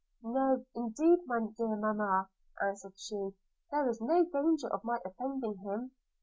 'No, indeed, my dear mamma!' answered she, 'there is no danger of my offending him.